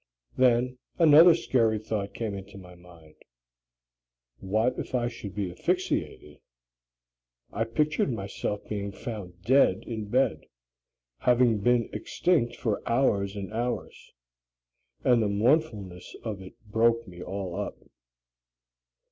Then another scary thought came into my mind. What if I should be asphyxiated? I pictured myself being found dead in bed, having been extinct for hours and hours, and the mournfulness of it broke me all up.